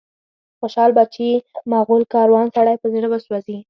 خوشال بچي، مغول کاروان، سړی په زړه وسوځي